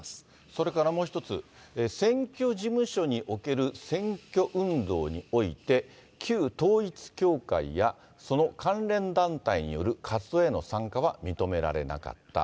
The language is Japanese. それからもう一つ、選挙事務所における選挙運動において、旧統一教会やその関連団体による活動への参加は認められなかった。